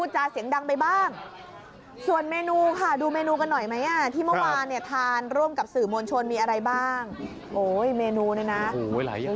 ที่เมื่อวานเนี้ยทานร่วมกับสื่อมวลชนมีอะไรบ้างโอ้ยเมนูเนี้ยน่ะโอ้ยหลายอย่าง